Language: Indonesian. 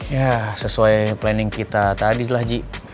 ya sesuai planning kita tadi lah ji